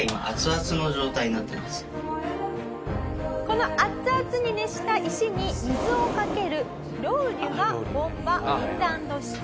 このアッツアツに熱した石に水をかけるロウリュが本場フィンランド式。